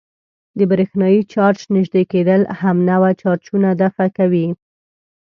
د برېښنايي چارج نژدې کېدل همنوع چارجونه دفع کوي.